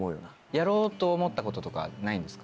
やろうと思ったこととかはないんですか？